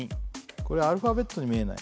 これアルファベットに見えない？